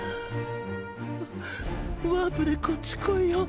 っワープでこっち来いよ。